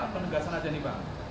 apa apa penegasan aja bang